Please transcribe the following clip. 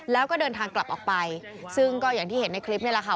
แล้วก็เดินทางกลับออกไปซึ่งก็อย่างที่เห็นในคลิปนี่แหละค่ะ